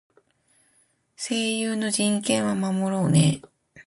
声優の人権は守ろうね。